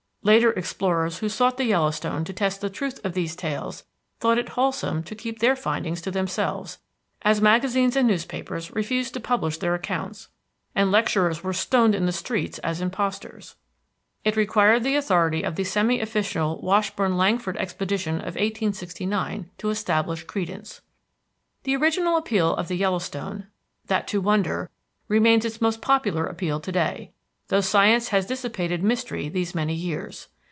Later explorers who sought the Yellowstone to test the truth of these tales thought it wholesome to keep their findings to themselves, as magazines and newspapers refused to publish their accounts and lecturers were stoned in the streets as impostors. It required the authority of the semiofficial Washburn Langford expedition of 1869 to establish credence. The original appeal of the Yellowstone, that to wonder, remains its most popular appeal to day, though science has dissipated mystery these many years.